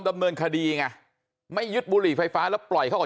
ดำเนินคดีไงไม่ยึดบุหรี่ไฟฟ้าแล้วปล่อยเขาออก